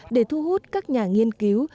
để thu hút các nhà nghiên cứu